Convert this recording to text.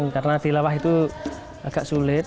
karena tilawah itu agak sulit